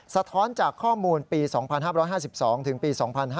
สะท้อนจากข้อมูลปี๒๕๕๒ถึงปี๒๕๕๙